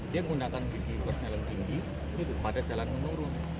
dia menggunakan gigi prosedur tinggi pada jalan menurun